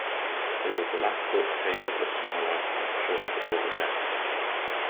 It was the last book Tey published in her lifetime, shortly before her death.